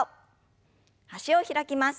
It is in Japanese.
脚を開きます。